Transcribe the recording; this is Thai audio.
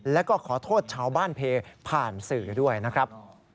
แล้วก็ขอโทษชาวบ้านเพผ่านสื่อด้วยนะครับ